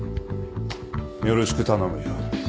よろしく頼むよ。